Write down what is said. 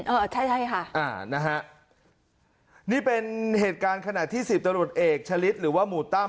อืมใช่ค่ะนี่เป็นเหตุการณ์ขณะที่๑๐ตระหนดเอกชะลิศหรือว่าหมู่ตั้ม